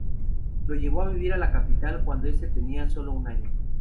Lo llevó a vivir a la capital cuando este tenía sólo un año.